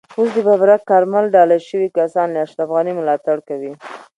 اوس د ببرک کارمل ډالۍ شوي کسان له اشرف غني ملاتړ کوي.